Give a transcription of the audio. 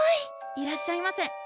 いらっしゃいませ。